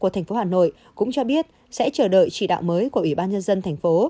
của thành phố hà nội cũng cho biết sẽ chờ đợi chỉ đạo mới của ủy ban nhân dân thành phố